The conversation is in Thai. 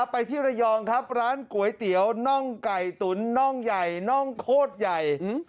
ไปที่ระยองครับร้านก๋วยเตี๋ยวน่องไก่ตุ๋นน่องใหญ่น่องโคตรใหญ่